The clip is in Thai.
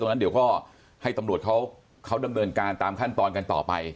งั้นเดี๋ยวก็ให้ตำรวจเขาดำเนินการตามขั้นตอนกันต่อไป